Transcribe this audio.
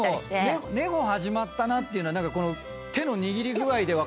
寝歩始まったなっていうのは手の握り具合で分かったりする？